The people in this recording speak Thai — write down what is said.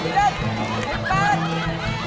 ว้าว